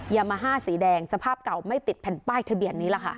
ยามาฮ่าสีแดงสภาพเก่าไม่ติดแผ่นป้ายทะเบียนนี้ล่ะค่ะ